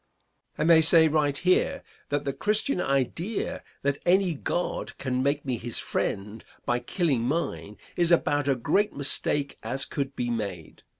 I may say right here that the Christian idea that any God can make me his friend by killing mine is about a great mistake as could be made.